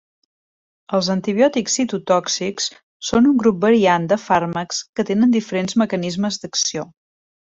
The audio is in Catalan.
Els antibiòtics citotòxics són un grup variat de fàrmacs que tenen diferents mecanismes d'acció.